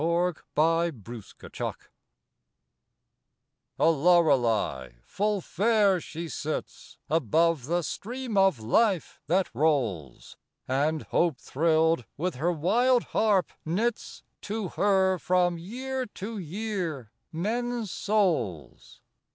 WORLD'S ATTAINMENT A Lorelei full fair she sits Above the Stream of Life that rolls; And, hope thrilled, with her wild harp knits To her from year to year men's souls.